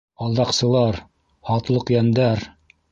— Алдаҡсылар! һатлыҡ йәндәр!